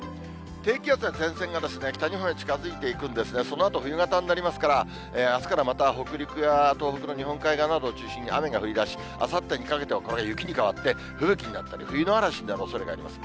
低気圧や前線が北日本へ近づいていくんですが、そのあと冬型になりますから、あすからまた北陸や東北の日本海側などを中心に雨が降りだし、あさってにかけてはこれが雪に変わって、吹雪になったり、冬の嵐になるおそれがあります。